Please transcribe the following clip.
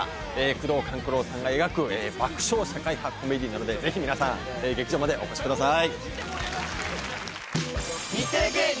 宮藤官九郎さんが描く爆笑社会派コメディーなのでぜひ皆さん劇場までお越しください。